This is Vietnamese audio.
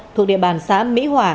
thuộc địa bàn xã mỹ hòa